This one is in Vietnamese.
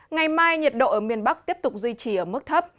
ngày mai nhiệt độ ở miền bắc tiếp tục duy trì ở mức thấp